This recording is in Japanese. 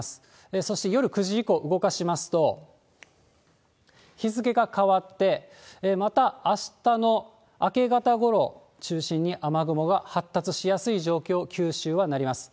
そして夜９時以降、動かしますと、日付が変わってまたあしたの明け方ごろ中心に雨雲が発達しやすい状況、九州はなります。